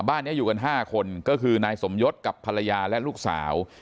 บ้านนี้อยู่กัน๕คนก็คือนายสมยศกับภรรยาและลูกสาว